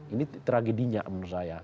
ini tragedinya menurut saya